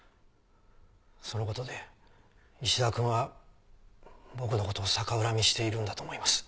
その事で石田君は僕の事を逆恨みしているんだと思います。